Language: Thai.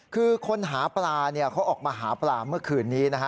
คือคนหาปลาเนี่ยเขาออกมาหาปลาเมื่อคืน